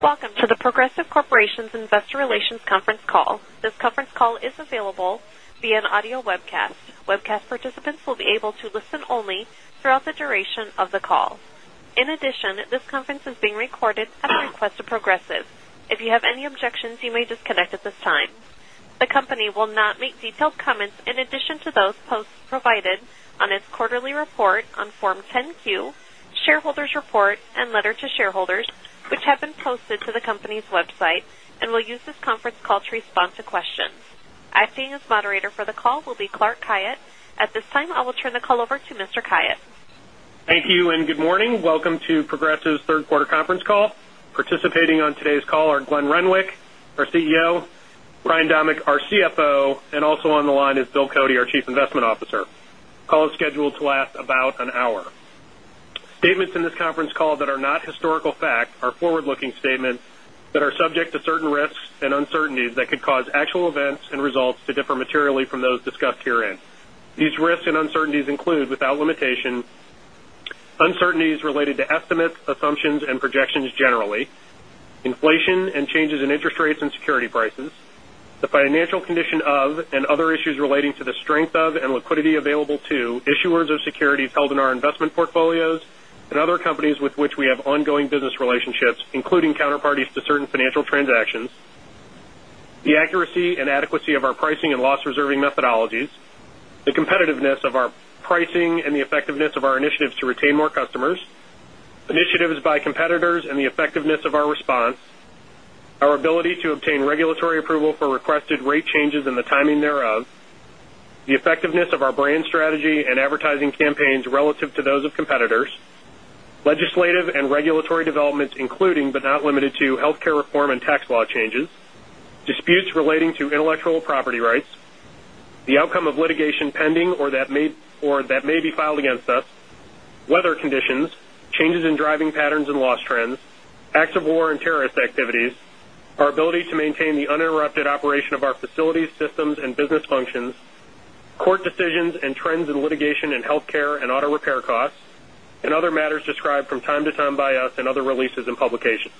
Welcome to The Progressive Corporation's Investor Relations Conference Call. This conference call is available via an audio webcast. Webcast participants will be able to listen only throughout the duration of the call. In addition, this conference is being recorded at the request of Progressive. If you have any objections, you may disconnect at this time. The company will not make detailed comments in addition to those posts provided on its quarterly report on Form 10-Q, shareholders report, and letter to shareholders, which have been posted to the company's website, and will use this conference call to respond to questions. Acting as moderator for the call will be Clark Khayat. At this time, I will turn the call over to Mr. Khayat. Thank you, and good morning. Welcome to Progressive's third quarter conference call. Participating on today's call are Glenn Renwick, our CEO, Brian Domeck, our CFO, and also on the line is Bill Cody, our Chief Investment Officer. Call is scheduled to last about an hour. Statements in this conference call that are not historical fact are forward-looking statements that are subject to certain risks and uncertainties that could cause actual events and results to differ materially from those discussed herein. These risks and uncertainties include, without limitation, uncertainties related to estimates, assumptions, and projections generally, inflation and changes in interest rates and security prices, the financial condition of and other issues relating to the strength of and liquidity available to issuers of securities held in our investment portfolios and other companies with which we have ongoing business relationships, including counterparties to certain financial transactions, the accuracy and adequacy of our pricing and loss reserving methodologies, the competitiveness of our pricing and the effectiveness of our initiatives to retain more customers, initiatives by competitors and the effectiveness of our response, our ability to obtain regulatory approval for requested rate changes and the timing thereof, the effectiveness of our brand strategy and advertising campaigns relative to those of competitors, legislative and regulatory developments including, but not limited to, healthcare reform and tax law changes, disputes relating to intellectual property rights, the outcome of litigation pending or that may be filed against us, weather conditions, changes in driving patterns and loss trends, acts of war and terrorist activities, our ability to maintain the uninterrupted operation of our facilities, systems, and business functions, court decisions and trends in litigation in healthcare and auto repair costs, and other matters described from time to time by us in other releases and publications.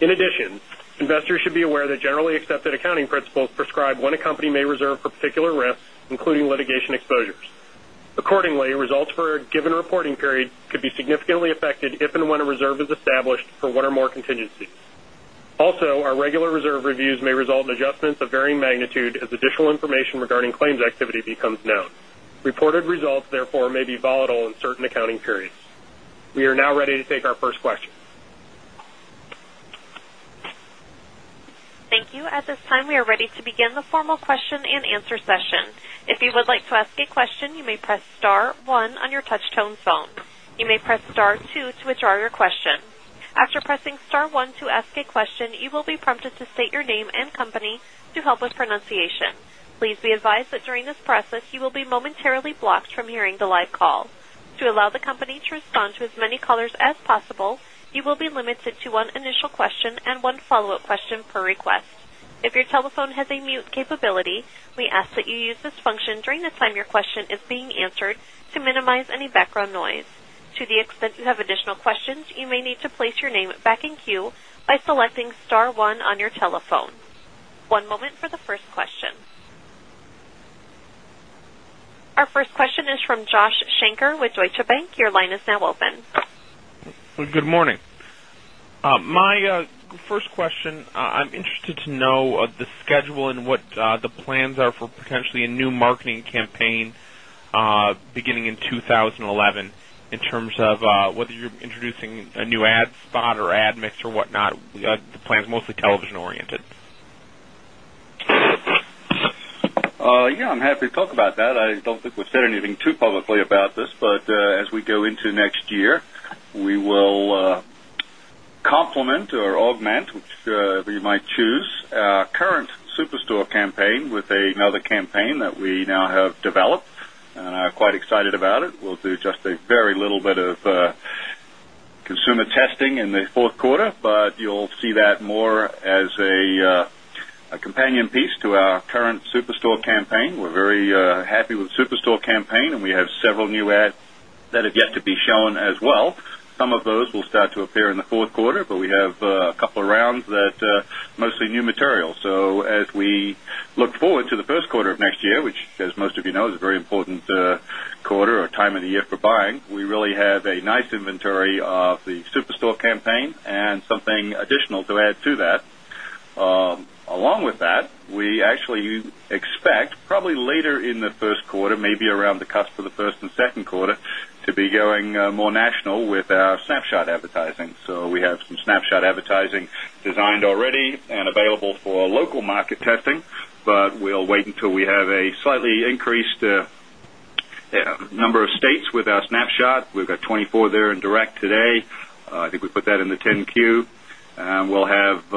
In addition, investors should be aware that generally accepted accounting principles prescribe when a company may reserve for particular risks, including litigation exposures. Accordingly, results for a given reporting period could be significantly affected if and when a reserve is established for one or more contingencies. Also, our regular reserve reviews may result in adjustments of varying magnitude as additional information regarding claims activity becomes known. Reported results, therefore, may be volatile in certain accounting periods. We are now ready to take our first question. Thank you. At this time, we are ready to begin the formal question and answer session. If you would like to ask a question, you may press star one on your touch-tone phone. You may press star two to withdraw your question. After pressing star one to ask a question, you will be prompted to state your name and company to help with pronunciation. Please be advised that during this process, you will be momentarily blocked from hearing the live call. To allow The Progressive Corporation to respond to as many callers as possible, you will be limited to one initial question and one follow-up question per request. If your telephone has a mute capability, we ask that you use this function during the time your question is being answered to minimize any background noise. To the extent you have additional questions, you may need to place your name back in queue by selecting star one on your telephone. One moment for the first question. Our first question is from Joshua Shanker with Deutsche Bank. Your line is now open. Good morning. My first question, I'm interested to know the schedule and what the plans are for potentially a new marketing campaign beginning in 2011 in terms of whether you're introducing a new ad spot or ad mix or whatnot, the plan's mostly television oriented. Yeah, I'm happy to talk about that. I don't think we've said anything too publicly about this. As we go into next year, we will complement or augment, whichever you might choose, our current Superstore campaign with another campaign that we now have developed, and I'm quite excited about it. We'll do just a very little bit of consumer testing in the fourth quarter. You'll see that more as a companion piece to our current Superstore campaign. We're very happy with the Superstore campaign. We have several new ads that have yet to be shown as well. Some of those will start to appear in the fourth quarter. We have a couple of rounds that are mostly new material. As we look forward to the first quarter of next year, which, as most of you know, is a very important quarter or time of the year for buying, we really have a nice inventory of the Superstore campaign and something additional to add to that. Along with that, we actually expect probably later in the first quarter, maybe around the cusp of the first and second quarter, to be going more national with our Snapshot advertising. We have some Snapshot advertising designed already and available for local market testing, but we'll wait until we have a slightly increased number of states with our Snapshot. We've got 24 there in direct today. I think we put that in the 10-Q. We'll have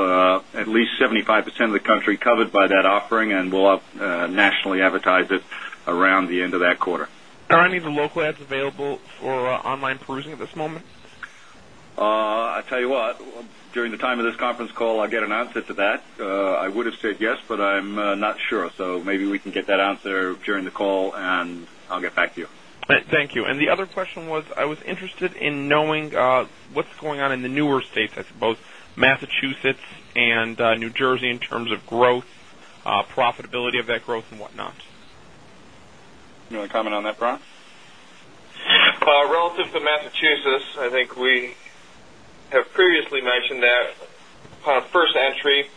at least 75% of the country covered by that offering, and we'll nationally advertise it around the end of that quarter. Are any of the local ads available for online perusing at this moment? I tell you what, during the time of this conference call, I'll get an answer to that. I would've said yes, but I'm not sure. Maybe we can get that answer during the call, and I'll get back to you. Thank you. The other question was, I was interested in knowing what's going on in the newer states, I suppose Massachusetts and New Jersey, in terms of growth, profitability of that growth and whatnot. You want to comment on that, Brian? Relative to Massachusetts, I think we have previously mentioned that upon first entry,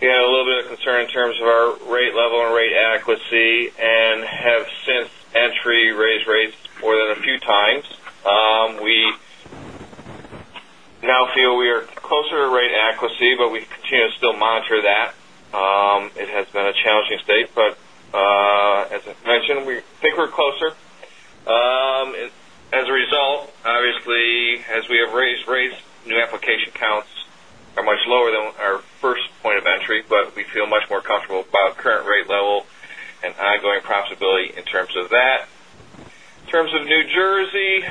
we had a little bit of concern in terms of our rate level and rate adequacy. Have since entry raised rates more than a few times. We now feel we are closer to rate accuracy. We continue to still monitor that. It has been a challenging state, as I mentioned, we think we're closer. As a result, obviously, as we have raised rates, new application counts are much lower than our first point of entry. We feel much more comfortable about current rate level and ongoing profitability in terms of that. In terms of New Jersey,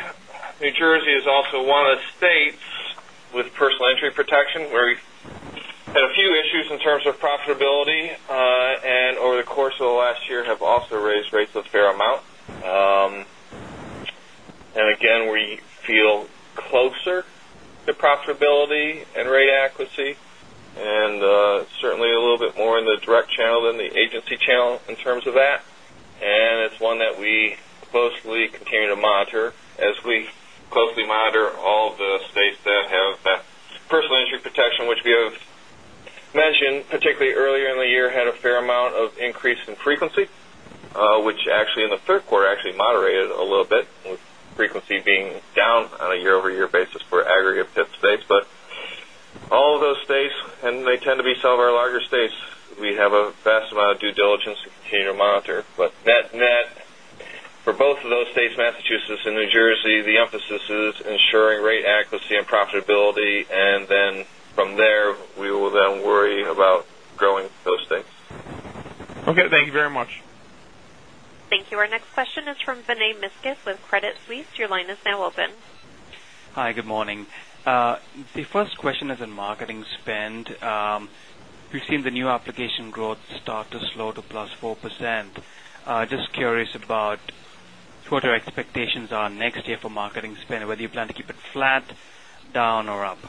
New Jersey is also one of the states with personal injury protection, where we've had a few issues in terms of profitability, and over the course of the last year have also raised rates a fair amount. Again, we feel closer to profitability and rate accuracy, certainly a little bit more in the direct channel than the agency channel in terms of that. It's one that we closely continue to monitor as we closely monitor all the states that have that personal injury protection, which we have mentioned, particularly earlier in the year, had a fair amount of increase in frequency, which actually in the third quarter actually moderated a little bit, with frequency being down on a year-over-year basis for aggregate PIP states. All of those states, and they tend to be some of our larger states, we have a vast amount of due diligence to continue to monitor. Net, for both of those states, Massachusetts and New Jersey, the emphasis is ensuring rate accuracy and profitability. From there, we will then worry about growing those states. Okay. Thank you very much. Thank you. Our next question is from Vinay Misquith with Credit Suisse. Your line is now open. Hi. Good morning. The first question is on marketing spend. We've seen the new application growth start to slow to +4%. Just curious about what your expectations are next year for marketing spend, whether you plan to keep it flat, down, or up.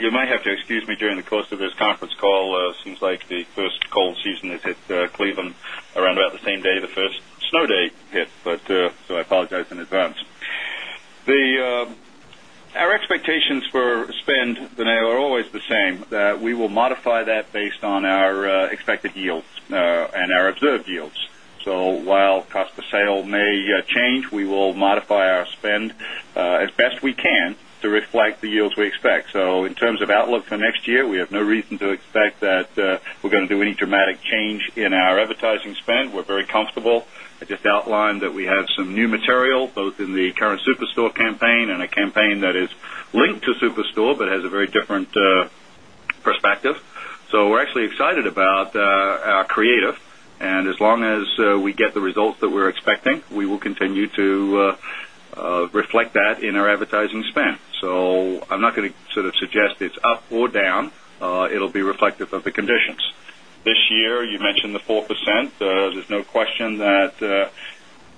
You might have to excuse me during the course of this conference call. Seems like the first cold season has hit Cleveland around about the same day the first snow day hit. I apologize in advance. Our expectations for spend, Vinay, are always the same, that we will modify that based on our expected yields and our observed yields. While cost per sale may change, we will modify our spend as best we can to reflect the yields we expect. In terms of outlook for next year, we have no reason to expect that we're going to do any dramatic change in our advertising spend. We're very comfortable. I just outlined that we have some new material, both in the current Superstore campaign and a campaign that is linked to Superstore but has a very different perspective. We're actually excited about our creative. As long as we get the results that we're expecting, we will continue to reflect that in our advertising spend. I'm not going to sort of suggest it's up or down. It'll be reflective of the conditions. This year, you mentioned the 4%. There's no question that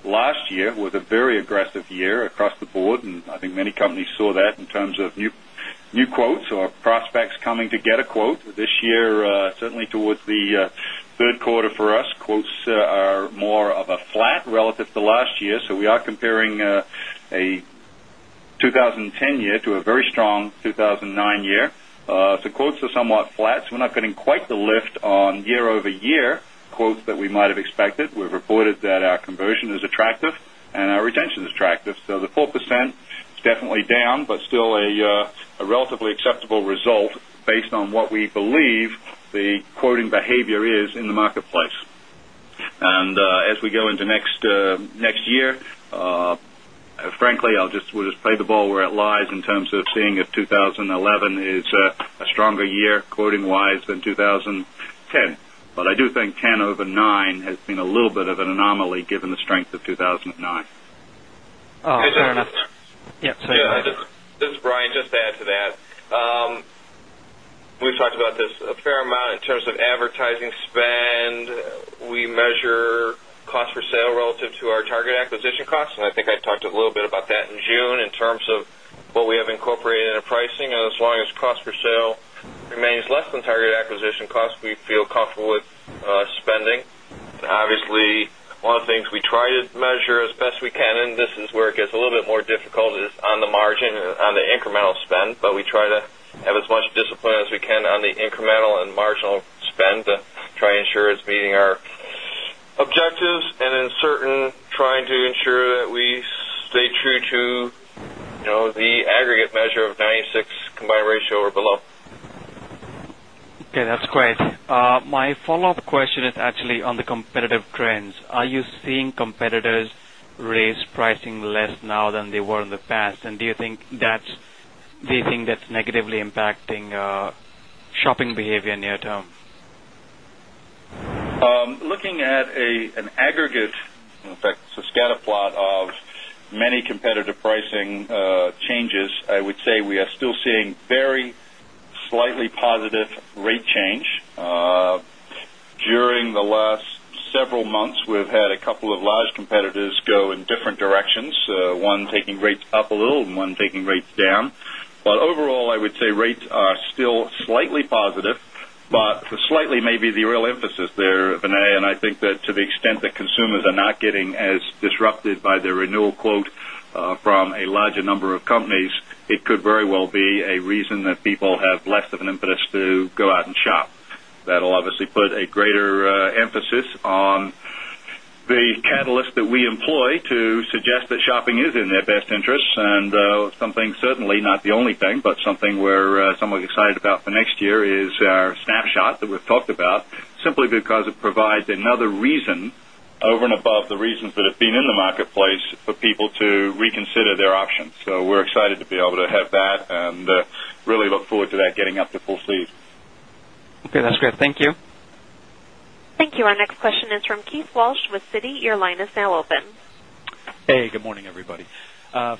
last year was a very aggressive year across the board, and I think many companies saw that in terms of new quotes or prospects coming to get a quote. This year, certainly towards the third quarter for us, quotes are more of a flat relative to last year. We are comparing a 2010 year to a very strong 2009 year. The quotes are somewhat flat, so we're not getting quite the lift on year-over-year quotes that we might have expected. We've reported that our conversion is attractive and our retention is attractive. The 4% is definitely down, but still a relatively acceptable result based on what we believe the quoting behavior is in the marketplace. As we go into next year, frankly, we'll just play the ball where it lies in terms of seeing if 2011 is a stronger year quoting wise than 2010. I do think 10 over 9 has been a little bit of an anomaly given the strength of 2009. Fair enough. Yeah. Sorry. This is Brian. Just to add to that. We've talked about this a fair amount in terms of advertising spend. We measure cost per sale relative to our target acquisition costs, and I think I talked a little bit about that in June in terms of what we have incorporated into pricing. As long as cost per sale remains less than target acquisition cost, we feel comfortable with spending. Obviously, one of the things we try to measure as best we can, and this is where it gets a little bit more difficult, is on the margin, on the incremental spend. We try to have as much discipline as we can on the incremental and marginal spend to try to ensure it's meeting our objectives and trying to ensure that we stay true to the aggregate measure of 96 combined ratio or below. Okay, that's great. My follow-up question is actually on the competitive trends. Are you seeing competitors raise pricing less now than they were in the past? Do you think that's negatively impacting shopping behavior near term? Looking at an aggregate, in fact, it's a scatter plot of many competitive pricing changes. I would say we are still seeing very slightly positive rate change. In the last several months, we've had a couple of large competitors go in different directions. One taking rates up a little, and one taking rates down. Overall, I would say rates are still slightly positive, but slightly may be the real emphasis there, Vinay, and I think that to the extent that consumers are not getting as disrupted by their renewal quote from a larger number of companies, it could very well be a reason that people have less of an impetus to go out and shop. That'll obviously put a greater emphasis on the catalyst that we employ to suggest that shopping is in their best interest, and something certainly not the only thing, but something we're somewhat excited about for next year is our Snapshot that we've talked about, simply because it provides another reason over and above the reasons that have been in the marketplace for people to reconsider their options. We're excited to be able to have that and really look forward to that getting up to full sleeve. Okay, that's great. Thank you. Thank you. Our next question is from Keith Walsh with Citi. Your line is now open. Hey, good morning, everybody.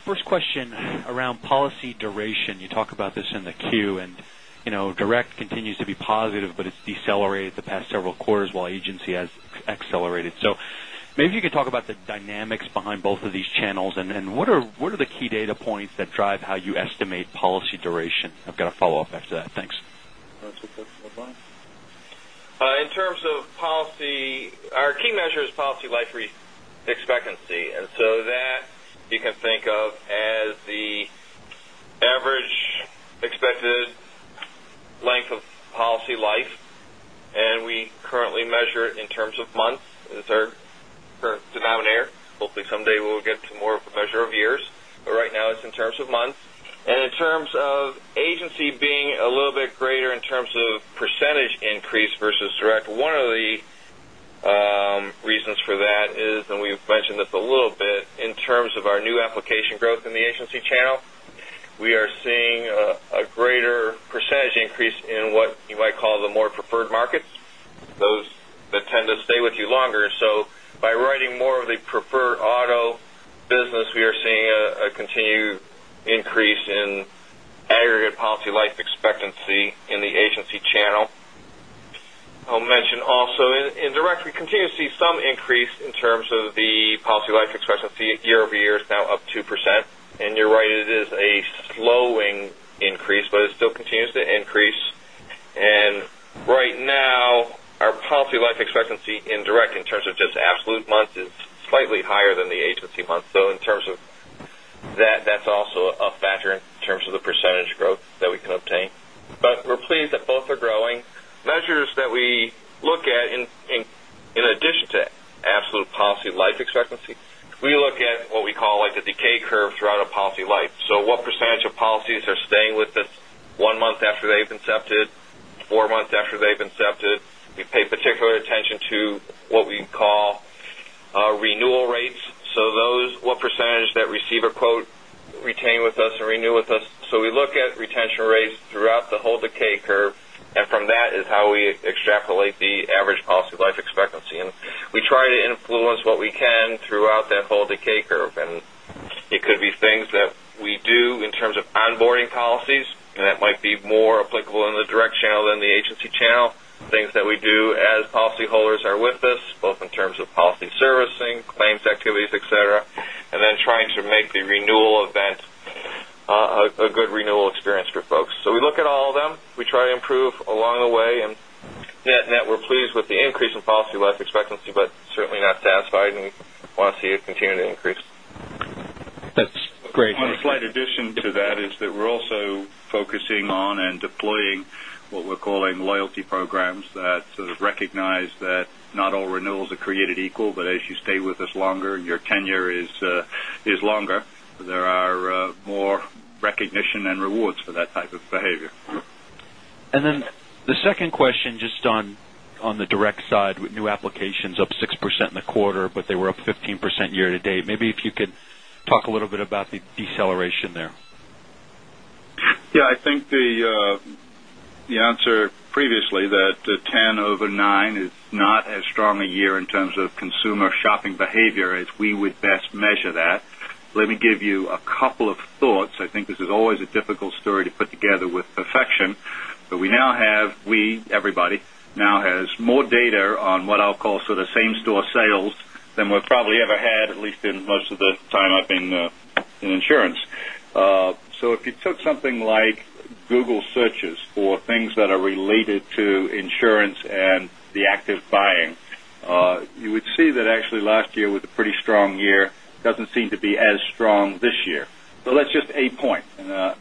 First question around policy duration. You talk about this in the 10-Q. Direct continues to be positive, but it's decelerated the past several quarters while agency has accelerated. Maybe you could talk about the dynamics behind both of these channels, and what are the key data points that drive how you estimate Policy Life Expectancy? I've got a follow-up after that. Thanks. In terms of policy, our key measure is Policy Life Expectancy. That you can think of as the average expected length of policy life, and we currently measure it in terms of months. It's our current denominator. Hopefully someday we'll get to more of a measure of years. Right now, it's in terms of months. In terms of agency being a little bit greater in terms of percentage increase versus direct, one of the reasons for that is, and we've mentioned this a little bit, in terms of our new application growth in the agency channel. We are seeing a greater percentage increase in what you might call the more preferred markets, those that tend to stay with you longer. By writing more of the preferred auto business, we are seeing a continued increase in aggregate Policy Life Expectancy in the agency channel. I'll mention also in direct, we continue to see some increase in terms of the Policy Life Expectancy year-over-year is now up 2%. You're right, it is a slowing increase, but it still continues to increase. Right now, our Policy Life Expectancy in direct in terms of just absolute months is slightly higher than the agency months. In terms of that's also a factor in terms of the percentage growth that we can obtain. We're pleased that both are growing. Measures that we look at in addition to absolute Policy Life Expectancy, we look at what we call the decay curve throughout a policy life. What percentage of policies are staying with us one month after they've accepted, four months after they've accepted. We pay particular attention to what we call renewal rates. Those, what percentage that receive a quote retain with us or renew with us. We look at retention rates throughout the whole decay curve. From that is how we extrapolate the average Policy Life Expectancy. We try to influence what we can throughout that whole decay curve. It could be things that we do in terms of onboarding policies, and that might be more applicable in the direct channel than the agency channel. Things that we do as policyholders are with us, both in terms of policy servicing, claims activities, et cetera, and then trying to make the renewal event a good renewal experience for folks. We look at all of them. We try to improve along the way. Net, we're pleased with the increase in Policy Life Expectancy, but certainly not satisfied and want to see it continue to increase. That's great. One slight addition to that is that we're also focusing on and deploying what we're calling loyalty programs that sort of recognize that not all renewals are created equal. As you stay with us longer and your tenure is longer, there are more recognition and rewards for that type of behavior. The second question, just on the direct side with new applications up 6% in the quarter, they were up 15% year to date. Maybe if you could talk a little bit about the deceleration there. I think the answer previously that 10 over 9 is not as strong a year in terms of consumer shopping behavior as we would best measure that. Let me give you a couple of thoughts. I think this is always a difficult story to put together with perfection. We now have, we, everybody, now has more data on what I'll call sort of same-store sales than we've probably ever had, at least in most of the time I've been in insurance. If you took something like Google searches for things that are related to insurance and the active buying, you would see that actually last year was a pretty strong year, doesn't seem to be as strong this year. That's just a point.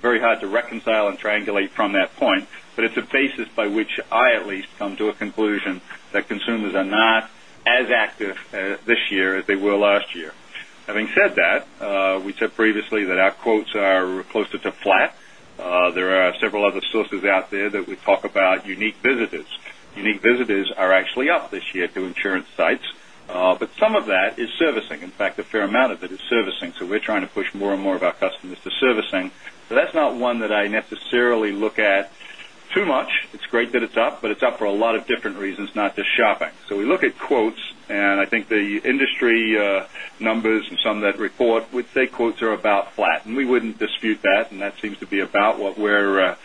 Very hard to reconcile and triangulate from that point, it's a basis by which I at least come to a conclusion that consumers are not as active this year as they were last year. Having said that, we said previously that our quotes are closer to flat. There are several other sources out there that we talk about unique visitors. Unique visitors are actually up this year to insurance sites. Some of that is servicing. In fact, a fair amount of it is servicing. We're trying to push more and more of our customers to servicing. That's not one that I necessarily look at too much. It's great that it's up, but it's up for a lot of different reasons, not just shopping. We look at quotes, I think the industry numbers and some that report would say quotes are about flat, we wouldn't dispute that seems to be about what we're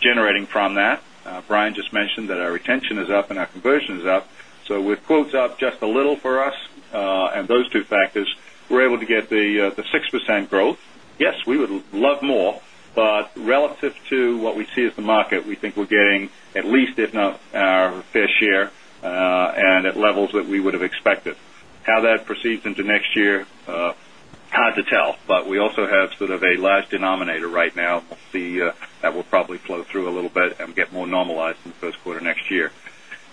Generating from that. Brian just mentioned that our retention is up and our conversion is up. With quotes up just a little for us, and those two factors, we're able to get the 6% growth. Yes, we would love more. Relative to what we see as the market, we think we're getting at least, if not our fair share, and at levels that we would've expected. How that proceeds into next year, hard to tell, we also have sort of a large denominator right now. We'll see that will probably flow through a little bit and get more normalized in the first quarter next year.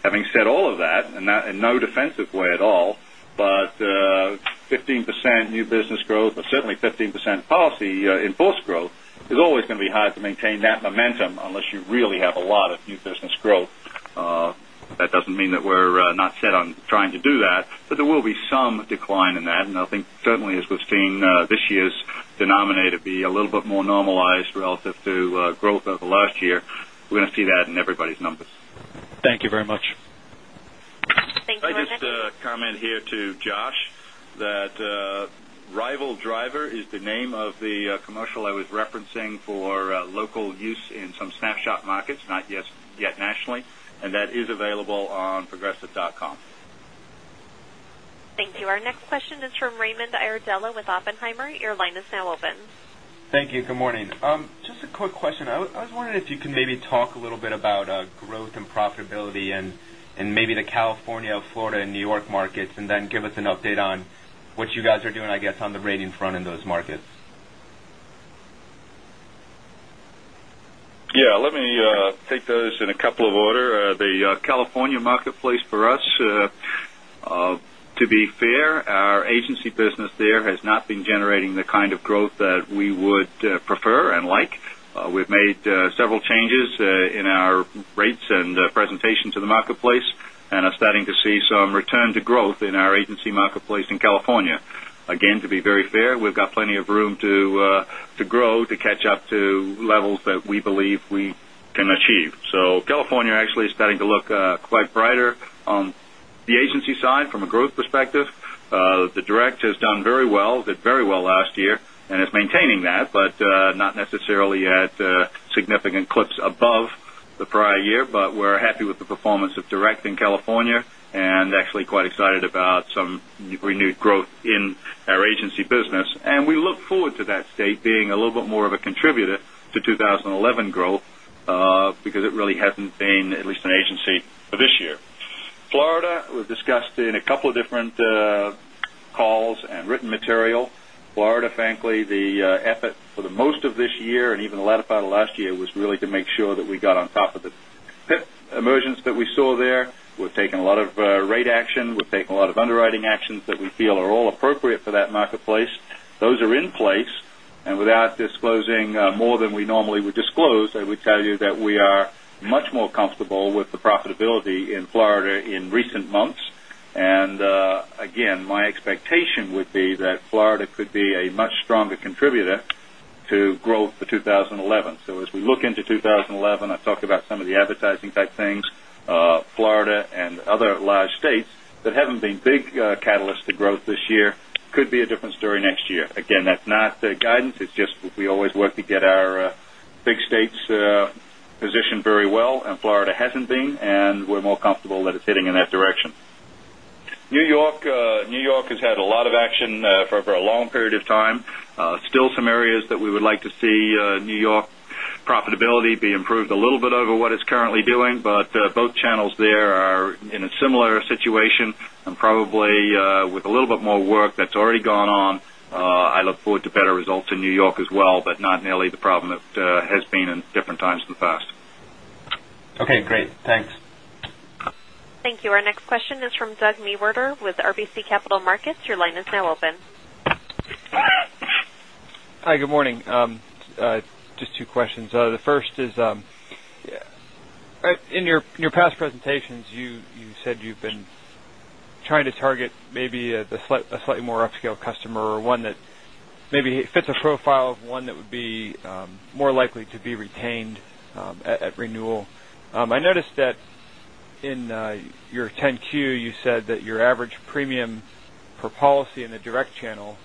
Having said all of that, in no defensive way at all, 15% new business growth, certainly 15% policy in force growth is always going to be hard to maintain that momentum unless you really have a lot of new business growth. That doesn't mean that we're not set on trying to do that, there will be some decline in that. I think certainly as we've seen this year's denominator be a little bit more normalized relative to growth over last year, we're going to see that in everybody's numbers. Thank you very much. Thank you very much. Just a comment here to Josh, that Rival Driver is the name of the commercial I was referencing for local use in some Snapshot markets, not yet nationally, that is available on progressive.com. Thank you. Our next question is from Raymond Iardella with Oppenheimer. Your line is now open. Thank you. Good morning. Just a quick question. I was wondering if you could maybe talk a little bit about growth and profitability in maybe the California, Florida, and New York markets, then give us an update on what you guys are doing, I guess, on the rating front in those markets. Yeah. Let me take those in a couple of order. The California marketplace for us, to be fair, our agency business there has not been generating the kind of growth that we would prefer and like. We've made several changes in our rates and presentation to the marketplace and are starting to see some return to growth in our agency marketplace in California. Again, to be very fair, we've got plenty of room to grow, to catch up to levels that we believe we can achieve. California actually is starting to look quite brighter on the agency side from a growth perspective. The direct has done very well, did very well last year, and is maintaining that, but not necessarily at significant clips above the prior year. We're happy with the performance of direct in California and actually quite excited about some renewed growth in our agency business. We look forward to that state being a little bit more of a contributor to 2011 growth, because it really hasn't been, at least in agency, for this year. Florida was discussed in a couple of different calls and written material. Florida, frankly, the effort for the most of this year and even the latter part of last year, was really to make sure that we got on top of the PIP emergence that we saw there. We've taken a lot of rate action. We've taken a lot of underwriting actions that we feel are all appropriate for that marketplace. Those are in place, and without disclosing more than we normally would disclose, I would tell you that we are much more comfortable with the profitability in Florida in recent months. Again, my expectation would be that Florida could be a much stronger contributor to growth for 2011. As we look into 2011, I've talked about some of the advertising type things. Florida and other large states that haven't been big catalysts to growth this year could be a different story next year. Again, that's not guidance, it's just we always work to get our big states positioned very well, and Florida hasn't been, and we're more comfortable that it's heading in that direction. New York has had a lot of action for a very long period of time. Still some areas that we would like to see New York profitability be improved a little bit over what it's currently doing, but both channels there are in a similar situation and probably with a little bit more work that's already gone on. I look forward to better results in New York as well, but not nearly the problem that has been in different times in the past. Okay, great. Thanks. Thank you. Our next question is from Doug Mewhirter with RBC Capital Markets. Your line is now open. Hi. Good morning. Just two questions. The first is, in your past presentations, you said you've been trying to target maybe a slightly more upscale customer or one that maybe fits a profile of one that would be more likely to be retained at renewal. I noticed that in your 10-Q, you said that your average premium per policy in the direct channel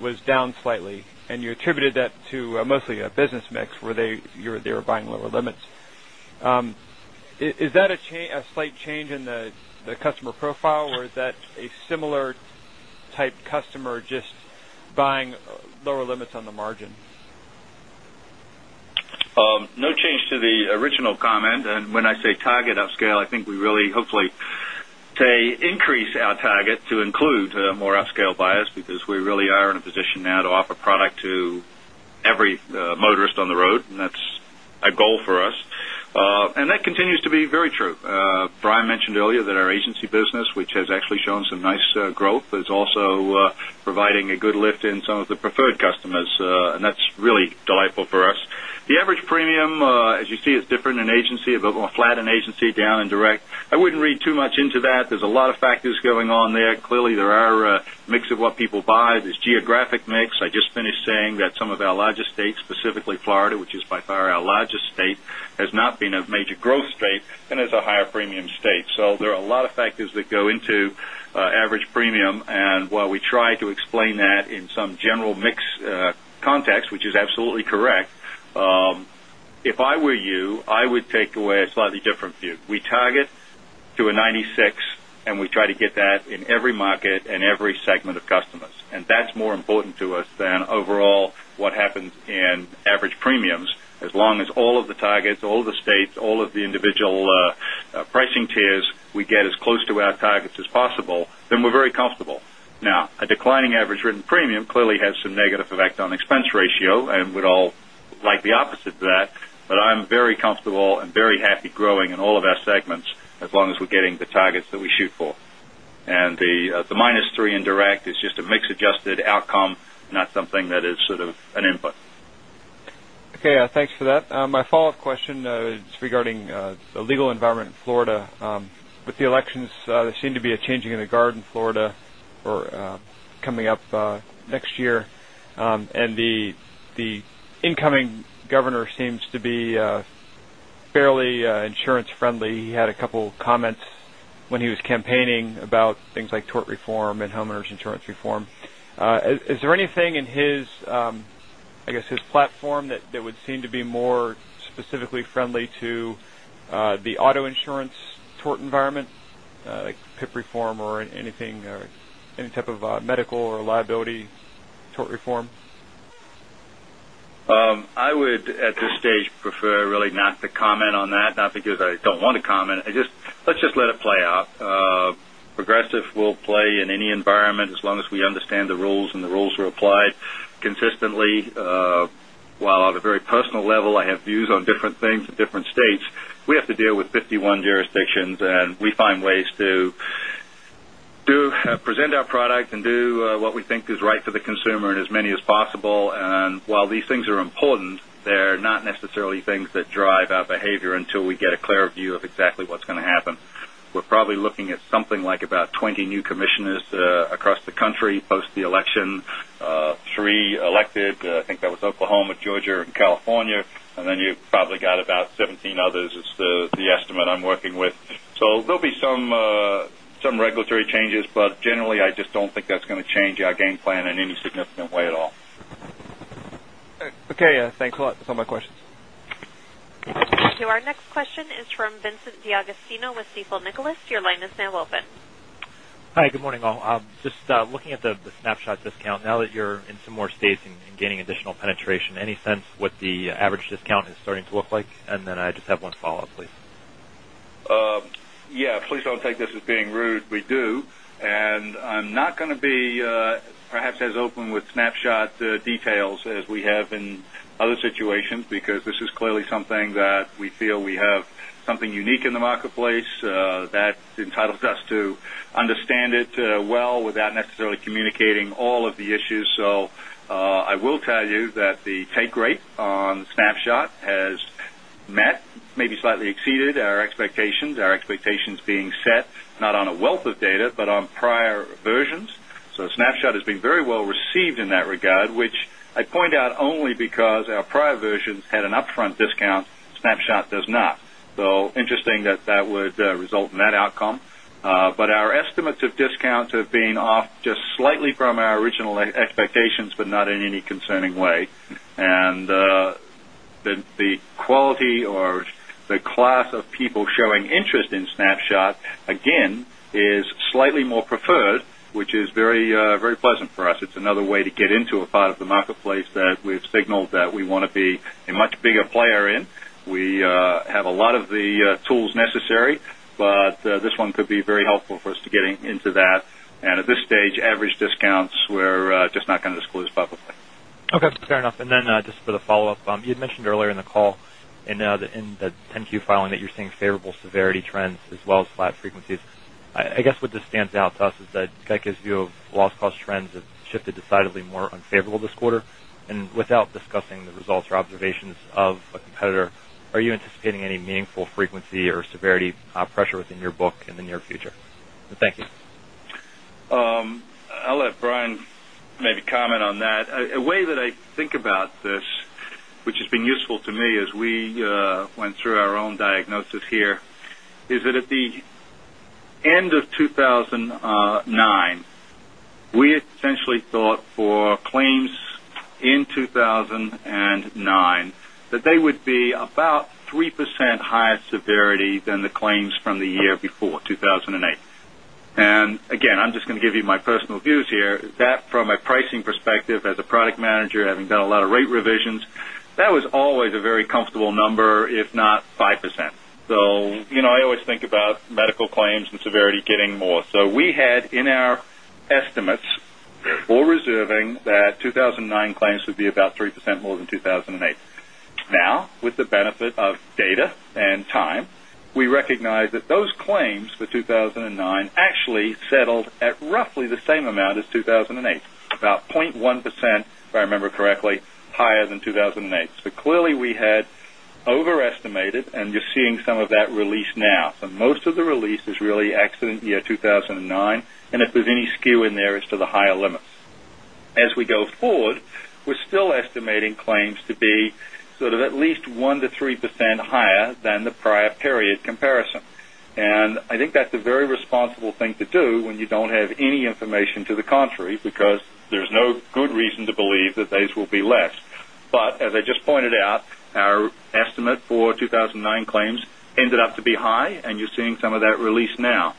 was down slightly, and you attributed that to mostly a business mix where they were buying lower limits. Is that a slight change in the customer profile, or is that a similar type customer just buying lower limits on the margin? No change to the original comment. When I say target upscale, I think we really, hopefully, increase our target to include more upscale buyers because we really are in a position now to offer product to every motorist on the road, and that's a goal for us. That continues to be very true. Brian mentioned earlier that our agency business, which has actually shown some nice growth, is also providing a good lift in some of the preferred customers. That's really delightful for us. The average premium, as you see, is different in agency, a bit more flat in agency, down in direct. I wouldn't read too much into that. There's a lot of factors going on there. Clearly, there are a mix of what people buy. There's geographic mix. I just finished saying that some of our larger states, specifically Florida, which is by far our largest state, has not been a major growth state and is a higher premium state. There are a lot of factors that go into average premium. While we try to explain that in some general mix context, which is absolutely correct, if I were you, I would take away a slightly different view. We target to a 96, and we try to get that in every market and every segment of customers, and that's more important to us than overall what happens in average premiums. As long as all of the targets, all of the states, all of the individual pricing tiers, we get as close to our targets as possible, then we're very comfortable. A declining average written premium clearly has some negative effect on expense ratio, and we'd all like the opposite to that. I'm very comfortable and very happy growing in all of our segments as long as we're getting the targets that we shoot for. The minus 3 in direct is just a mix-adjusted outcome, not something that is sort of an input. Okay, thanks for that. My follow-up question is regarding the legal environment in Florida. With the elections, there seem to be a changing of the guard in Florida coming up next year. The incoming governor seems to be fairly insurance-friendly. He had a couple comments when he was campaigning about things like tort reform and homeowners insurance reform. Is there anything in his platform that would seem to be more specifically friendly to the auto insurance tort environment, like PIP reform or anything, or any type of medical or liability tort reform? I would, at this stage, prefer really not to comment on that. Not because I don't want to comment. Let's just let it play out. Progressive will play in any environment as long as we understand the rules and the rules are applied consistently. While on a very personal level, I have views on different things in different states, we have to deal with 51 jurisdictions, we find ways to present our product and do what we think is right for the consumer in as many as possible. While these things are important, they're not necessarily things that drive our behavior until we get a clear view of exactly what's going to happen. We're probably looking at something like about 20 new commissioners across the country post the election, three elected. I think that was Oklahoma, Georgia, and California. You've probably got about 17 others is the estimate I'm working with. There'll be some regulatory changes, generally, I just don't think that's going to change our game plan in any significant way at all. Okay, thanks a lot. That's all my questions. Thank you. Our next question is from Vincent D'Agostino with Stifel Nicolaus. Your line is now open. Hi. Good morning, all. Just looking at the Snapshot discount, now that you're in some more states and gaining additional penetration, any sense what the average discount is starting to look like? I just have one follow-up, please. Yeah. Please don't take this as being rude. We do. I'm not going to be perhaps as open with Snapshot details as we have in other situations because this is clearly something that we feel we have something unique in the marketplace that entitles us to understand it well without necessarily communicating all of the issues. I will tell you that the take rate on Snapshot has met, maybe slightly exceeded our expectations, our expectations being set not on a wealth of data, but on prior versions. Snapshot has been very well received in that regard, which I point out only because our prior versions had an upfront discount. Snapshot does not. Interesting that that would result in that outcome. Our estimates of discounts have been off just slightly from our original expectations, but not in any concerning way. The quality or the class of people showing interest in Snapshot, again, is slightly more preferred, which is very pleasant for us. It's another way to get into a part of the marketplace that we've signaled that we want to be a much bigger player in. We have a lot of the tools necessary, but this one could be very helpful for us to getting into that. At this stage, average discounts, we're just not going to disclose publicly. Okay, fair enough. Just for the follow-up, you had mentioned earlier in the call in the 10-Q filing that you're seeing favorable severity trends as well as flat frequencies. I guess what just stands out to us is that GEICO's view of loss cost trends have shifted decidedly more unfavorable this quarter. Without discussing the results or observations of a competitor, are you anticipating any meaningful frequency or severity pressure within your book in the near future? Thank you. I'll let Brian maybe comment on that. A way that I think about this, which has been useful to me as we went through our own diagnosis here, is that at the end of 2009, we essentially thought for claims in 2009 that they would be about 3% higher severity than the claims from the year before, 2008. Again, I'm just going to give you my personal views here. That from a pricing perspective, as a product manager, having done a lot of rate revisions, that was always a very comfortable number, if not 5%. I always think about medical claims and severity getting more. We had in our estimates for reserving that 2009 claims would be about 3% more than 2008. With the benefit of data and time, we recognize that those claims for 2009 actually settled at roughly the same amount as 2008, about 0.1%, if I remember correctly, higher than 2008. Clearly, we had overestimated, and you're seeing some of that release now. Most of the release is really accident year 2009. If there's any skew in there, it's to the higher limits. As we go forward, we're still estimating claims to be sort of at least 1%-3% higher than the prior period comparison. I think that's a very responsible thing to do when you don't have any information to the contrary, because there's no good reason to believe that those will be less. As I just pointed out, our estimate for 2009 claims ended up to be high, and you're seeing some of that release now.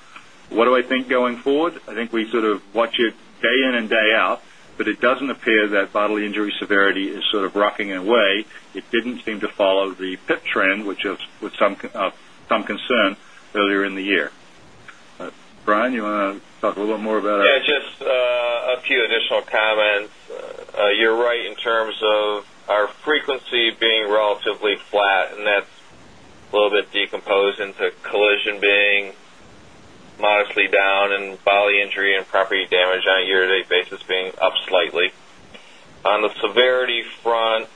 What do I think going forward? I think we sort of watch it day in and day out, but it doesn't appear that bodily injury severity is sort of rocking away. It didn't seem to follow the PIP trend, which was some concern earlier in the year. Brian, you want to talk a little more about our Yeah, just a few additional comments. You're right in terms of our frequency being relatively flat. That's a little bit decomposed into collision being modestly down and bodily injury and property damage on a year-to-date basis being up slightly. On the severity front,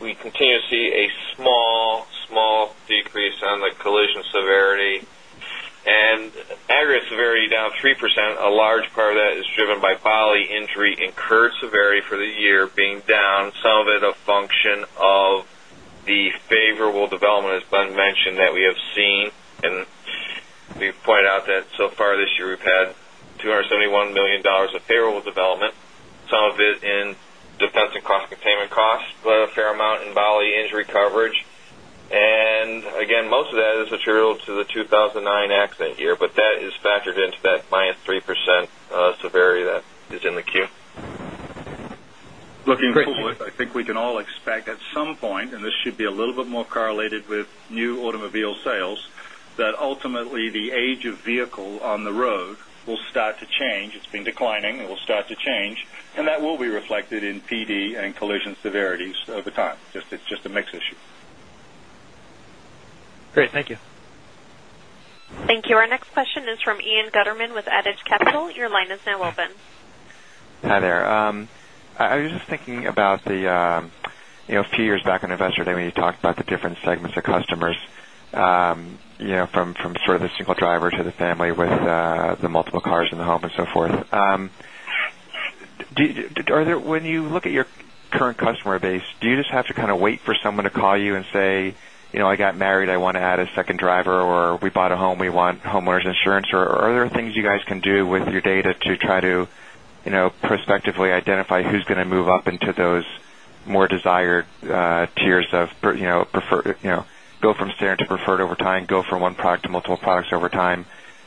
we continue to see a small decrease on the collision severity. Aggregate severity down 3%, a large part of that is driven by bodily injury incurred severity for the year being down, some of it a function of the favorable development, as Glenn mentioned, that we have seen. We've pointed out that so far this year we've had $271 million of favorable development, some of it in defense and cost containment costs, but a fair amount in bodily injury coverage. Again, most of that is material to the 2009 accident year, that is factored into that minus 3% severity that is in the Q. Looking forward, I think we can all expect at some point, this should be a little bit more correlated with new automobile sales, that ultimately the age of vehicle on the road will start to change. It's been declining. It will start to change, that will be reflected in PD and collision severities over time. It's just a mix issue. Great. Thank you. Thank you. Our next question is from Ian Gutterman with Adage Capital. Your line is now open. Hi there. I was just thinking about a few years back on Investor Day, when you talked about the different segments of customers from sort of the single driver to the family with the multiple cars in the home and so forth. When you look at your current customer base, do you just have to kind of wait for someone to call you and say, "I got married, I want to add a second driver," or, "We bought a home, we want homeowners insurance." Are there things you guys can do with your data to try to prospectively identify who's going to move up into those more desired tiers of go from standard to preferred over time, go from one product to multiple products over time?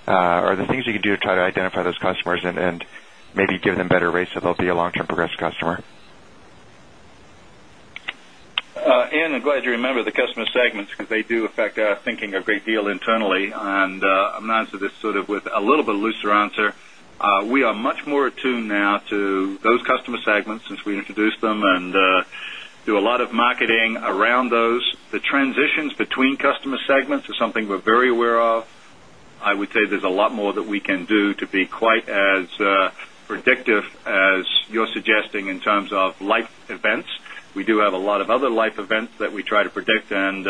Are there things you can do to try to identify those customers and maybe give them better rates so they'll be a long-term Progressive customer? Ian, I'm glad you remember the customer segments because they do affect our thinking a great deal internally. I'm going to answer this sort of with a little bit looser answer. We are much more attuned now to those customer segments since we introduced them and do a lot of marketing around those. The transitions between customer segments is something we're very aware of. I would say there's a lot more that we can do to be quite as predictive as you're suggesting in terms of life events. We do have a lot of other life events that we try to predict and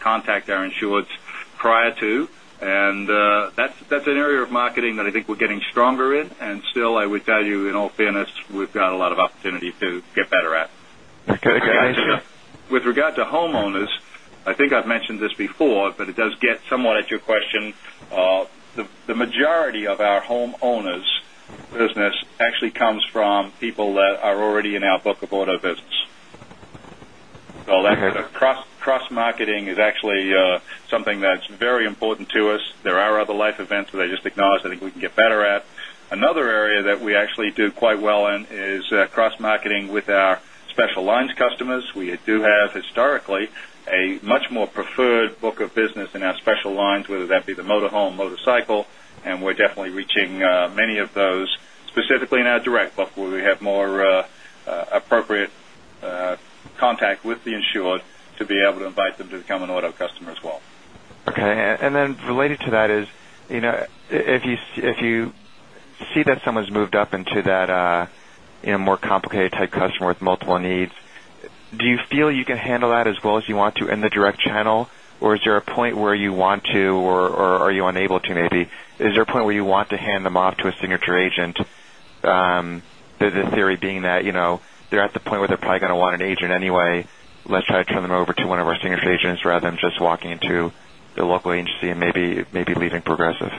contact our insureds prior to. Still, I would tell you, in all fairness, we've got a lot of opportunity to get better at. Okay. Great. Thank you. With regard to homeowners, I think I've mentioned this before, but it does get somewhat at your question. The majority of our homeowners business actually comes from people that are already in our book of auto business. Okay. Cross-marketing is actually something that's very important to us. There are other life events that I just acknowledged I think we can get better at. Another area that we actually do quite well in is cross-marketing with our special lines customers. We do have historically a much more preferred book of business in our special lines, whether that be the motor home, motorcycle, and we're definitely reaching many of those specifically in our direct book, where we have more appropriate contact with the insured to be able to invite them to become an auto customer as well. Okay. Related to that is, if you see that someone's moved up into that more complicated type customer with multiple needs, do you feel you can handle that as well as you want to in the direct channel? Is there a point where you want to, or are you unable to, maybe? Is there a point where you want to hand them off to a signature agent? The theory being that they're at the point where they're probably going to want an agent anyway. Let's try to turn them over to one of our signature agents rather than just walking into the local agency and maybe leaving Progressive.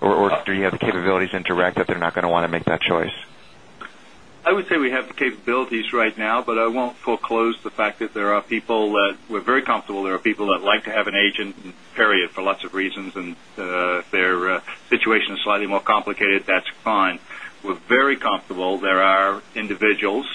Do you have the capabilities in direct that they're not going to want to make that choice? I would say we have the capabilities right now. I won't foreclose the fact that there are people that we're very comfortable. There are people that like to have an agent, period, for lots of reasons. If their situation is slightly more complicated, that's fine. We're very comfortable. There are individuals,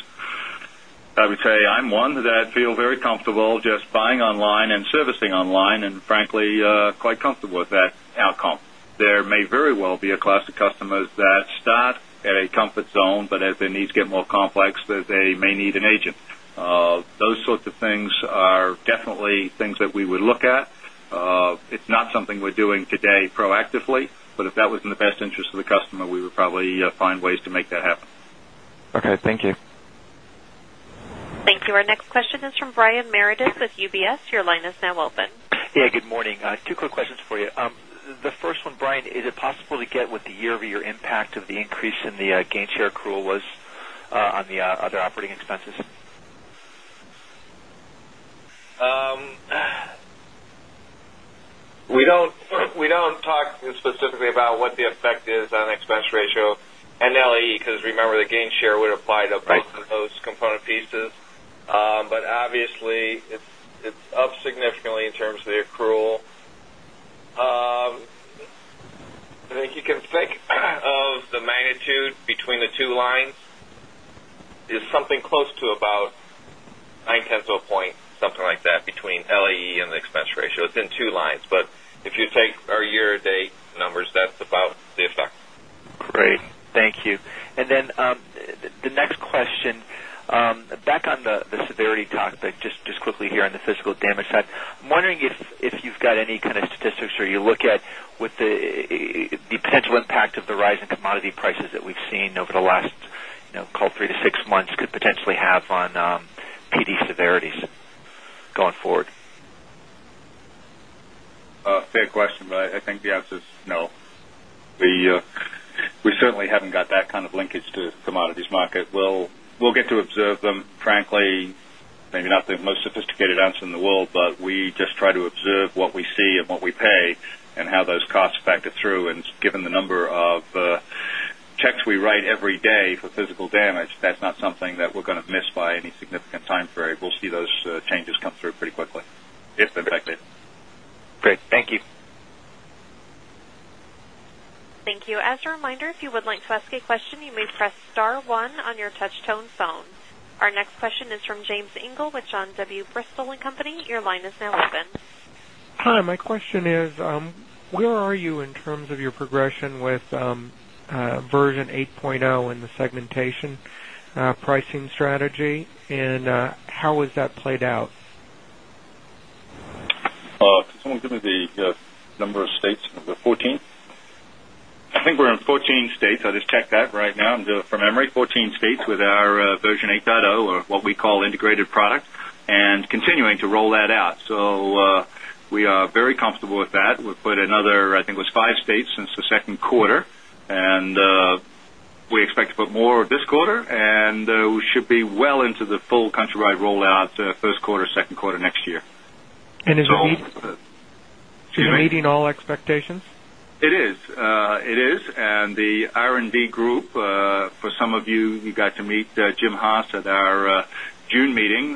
I would say I'm one, that feel very comfortable just buying online and servicing online. Frankly, quite comfortable with that outcome. There may very well be a class of customers that start at a comfort zone. As their needs get more complex, that they may need an agent. Those sorts of things are definitely things that we would look at. It's not something we're doing today proactively. If that was in the best interest of the customer, we would probably find ways to make that happen. Okay. Thank you. Our next question is from Brian Meredith with UBS. Your line is now open. Yeah, good morning. Two quick questions for you. The first one, Brian, is it possible to get what the year-over-year impact of the increase in the Gainshare accrual was on the other operating expenses? We don't talk specifically about what the effect is on expense ratio and LAE, because remember, the Gainshare would apply to both of those component pieces. Obviously, it's up significantly in terms of the accrual. I think you can think of the magnitude between the two lines is something close to about nine tenths of a point, something like that, between LAE and the expense ratio. It's in two lines. If you take our year-to-date numbers, that's about the effect. Great. Thank you. The next question. Back on the severity topic, just quickly here on the physical damage side. I'm wondering if you've got any kind of statistics or you look at what the potential impact of the rise in commodity prices that we've seen over the last call three to six months could potentially have on PD severities going forward. Fair question, I think the answer is no. We certainly haven't got that kind of linkage to the commodities market. We'll get to observe them, frankly, maybe not the most sophisticated answer in the world, but we just try to observe what we see and what we pay and how those costs factor through. Given the number of checks we write every day for physical damage, that's not something that we're going to miss by any significant time frame. We'll see those changes come through pretty quickly if they're affected. Great. Thank you. Thank you. As a reminder, if you would like to ask a question, you may press star 1 on your touch-tone phone. Our next question is from James Engle with John W. Bristol & Company. Your line is now open. Hi. My question is, where are you in terms of your progression with version 8.0 in the segmentation pricing strategy, and how has that played out? Can someone give me the number of states? Number 14? I think we're in 14 states. I'll just check that right now from memory. 14 states with our version 8.0, or what we call integrated product, and continuing to roll that out. We are very comfortable with that. We've put another, I think it was five states since the second quarter, and we expect to put more this quarter, and we should be well into the full countrywide rollout first quarter, second quarter next year. Is it meeting all expectations? It is. It is. The R&D group, for some of you who got to meet Jim Haas at our June meeting,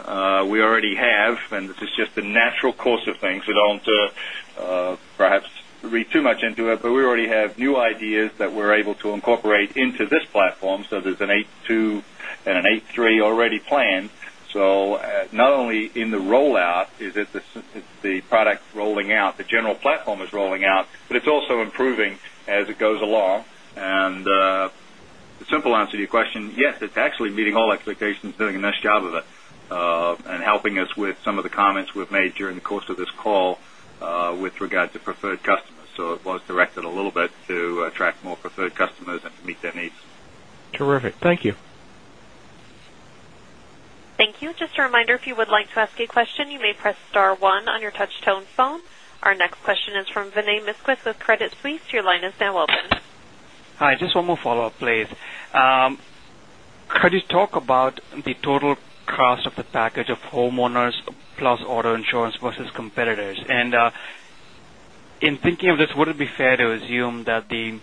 we already have, and this is just the natural course of things. We don't perhaps read too much into it, but we already have new ideas that we're able to incorporate into this platform. There's an 8.2 and an 8.3 already planned. Not only in the rollout is the product rolling out, the general platform is rolling out, but it's also improving as it goes along. The simple answer to your question, yes, it's actually meeting all expectations, doing a nice job of it, and helping us with some of the comments we've made during the course of this call with regard to preferred customers. It was directed a little bit to attract more preferred customers and to meet their needs. Terrific. Thank you. Thank you. Just a reminder, if you would like to ask a question, you may press star one on your touch-tone phone. Our next question is from Vinay Misquith with Credit Suisse. Your line is now open. Hi. Just one more follow-up, please. Could you talk about the total cost of the package of homeowners plus auto insurance versus competitors? In thinking of this, would it be fair to assume that the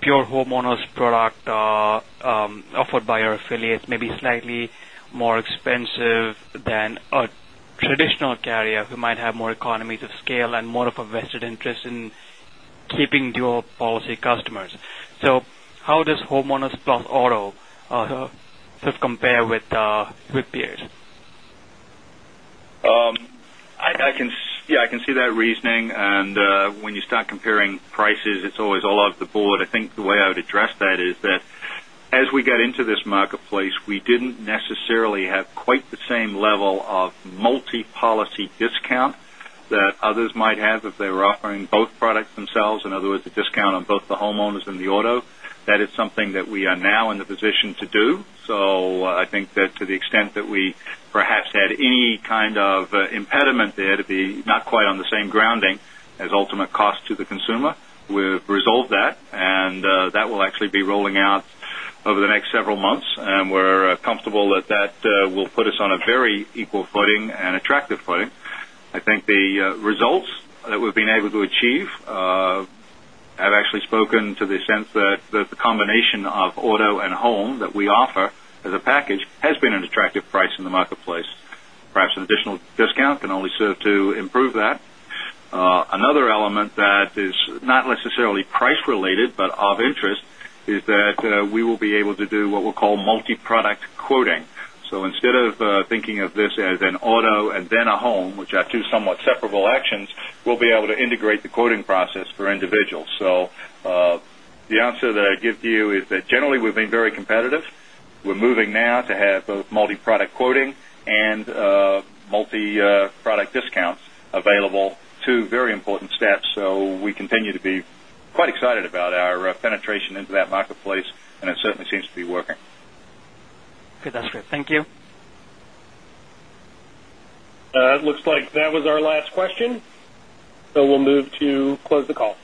pure homeowners product offered by your affiliates may be slightly more expensive than a traditional carrier who might have more economies of scale and more of a vested interest in keeping your policy customers? How does homeowners plus auto compare with peers? Yeah, I can see that reasoning. When you start comparing prices, it's always all over the board. I think the way I would address that is that as we get into this marketplace, we didn't necessarily have quite the same level of multi-policy discount that others might have if they were offering both products themselves. In other words, a discount on both the homeowners and the auto. That is something that we are now in the position to do. I think that to the extent that we perhaps had any kind of impediment there to be not quite on the same grounding as ultimate cost to the consumer, we've resolved that, and that will actually be rolling out over the next several months. We're comfortable that that will put us on a very equal footing and attractive footing. I think the results that we've been able to achieve have actually spoken to the sense that the combination of auto and home that we offer as a package has been an attractive price in the marketplace. Perhaps an additional discount can only serve to improve that. Another element that is not necessarily price related but of interest is that we will be able to do what we'll call multi-product quoting. Instead of thinking of this as an auto and then a home, which are two somewhat separable actions, we'll be able to integrate the quoting process for individuals. The answer that I give to you is that generally we've been very competitive. We're moving now to have both multi-product quoting and multi-product discounts available, two very important steps. We continue to be quite excited about our penetration into that marketplace, and it certainly seems to be working. Okay, that's great. Thank you. It looks like that was our last question. We'll move to close the call.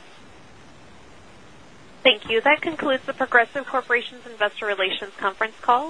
Thank you. That concludes The Progressive Corporation's Investor Relations Conference Call.